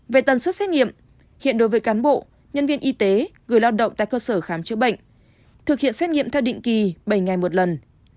về tần suất xét nghiệm hiện đối với cán bộ nhân viên y tế người lao động tại cơ sở khám chữa bệnh thực hiện xét nghiệm theo định kỳ bảy ngày một lần